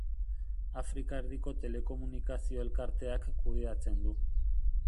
Afrika Erdiko Telekomunikazio Elkarteak kudeatzen du.